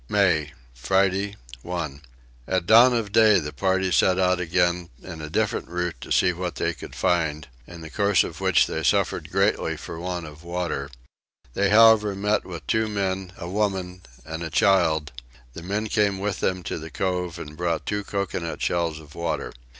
May. Friday 1. At dawn of day the party set out again in a different route to see what they could find, in the course of which they suffered greatly for want of water: they however met with two men, a woman, and a child: the men came with them to the cove and brought two coconut shells of water.